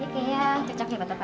ini kayak cocoknya pak